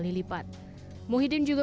jadi yang kedua